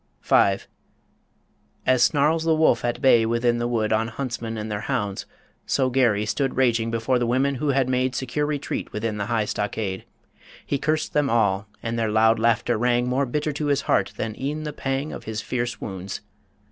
V. As snarls the wolf at bay within the wood On huntsmen and their hounds, so Garry stood Raging before the women who had made Secure retreat within the high stockade; He cursed them all, and their loud laughter rang More bitter to his heart than e'en the pang Of his fierce wounds.